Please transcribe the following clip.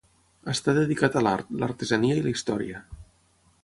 Està dedicat a l'art, l'artesania i la història.